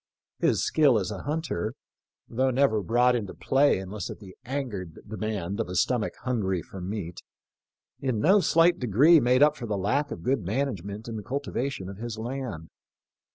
His skill as a hunter — though never brought into play unless at the angered de mand of a stomach hungry for meat — in no slight degree made up for the lack of good management in the cultivation of his land.